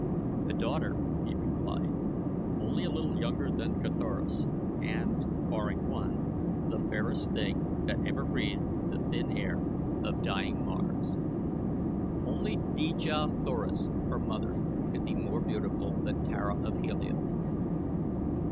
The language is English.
"A daughter," he replied, "only a little younger than Carthoris, and, barring one, the fairest thing that ever breathed the thin air of dying Mars. Only Dejah Thoris, her mother, could be more beautiful than Tara of Helium."